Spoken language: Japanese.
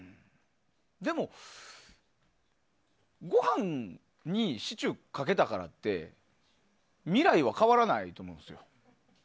でも、ご飯にシチューかけたからって未来は変わらないと思うんですよ。